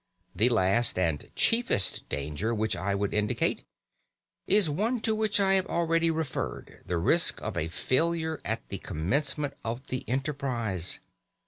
The last, and chiefest danger which I would indicate, is one to which I have already referred the risk of a failure at the commencement of the enterprise.